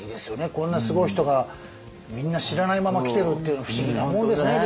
こんなすごい人がみんな知らないまま来てるっていうの不思議なもんですね